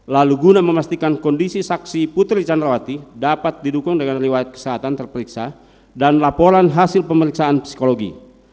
lalu guna memastikan kondisi saksi putri candrawati dapat didukung dengan riwayat kesehatan terperiksa dan laporan hasil pemeriksaan psikologi